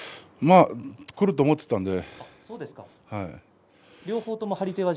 くると思っていたので。